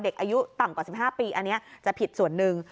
อายุต่ำกว่า๑๕ปีอันนี้จะผิดส่วนหนึ่ง